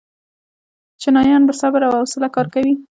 چینایان په صبر او حوصله کار کوي.